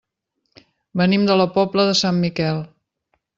Venim de la Pobla de Sant Miquel.